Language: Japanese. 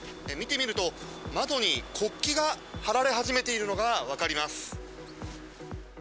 見てみると、窓に国旗が貼られ始めているのが分かります。